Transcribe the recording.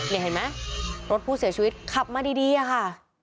นี่เห็นไหมรถผู้เสียชีวิตขับมาดีอะค่ะ